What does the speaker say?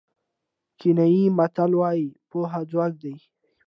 کینیايي متل وایي پوهه ځواک دی.